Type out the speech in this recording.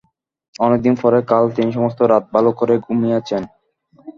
অনেক দিন পরে কাল তিনি সমস্ত রাত ভালো করিয়া ঘুমাইয়াছেন।